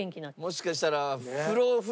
もしかしたら。